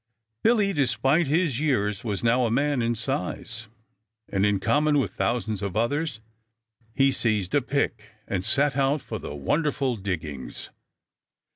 Billy, despite his years, was now a man in size, and in common with thousands of others he seized a pick and set out for the wonderful diggings.